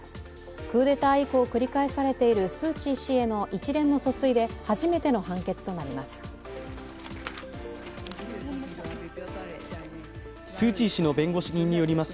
クーデター以降繰り返されているスー・チー氏への一連の訴追で初めての判決となります。